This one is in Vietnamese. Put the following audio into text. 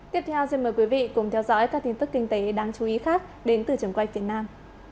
tiếp theo xin mời quý vị cùng theo dõi các tin tức kinh tế đáng chú ý khác đến từ trường quay việt nam